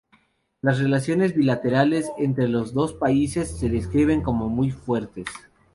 Las relaciones bilaterales entre los dos países se describen como muy fuertes.